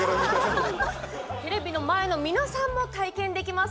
テレビの前の皆さんも体験できます。